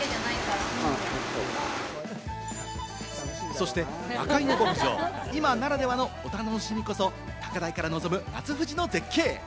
そして、まかいの牧場、今ならでは、お楽しみこそ、高台から望む夏富士の絶景。